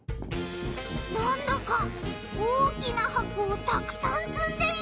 なんだか大きな箱をたくさんつんでいるぞ！